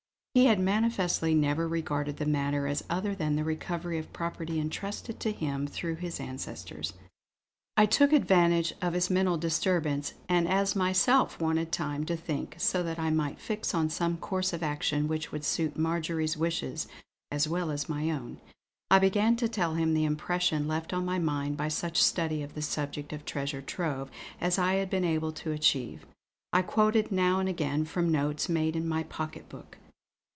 He had manifestly never regarded the matter as other than the recovery of property entrusted to him through his ancestors. I took advantage of his mental disturbance; and as I myself wanted time to think, so that I might fix on some course of action which would suit Marjory's wishes as well as my own, I began to tell him the impression left on my mind by such study of the subject of Treasure Trove as I had been able to achieve. I quoted now and again from notes made in my pocket book.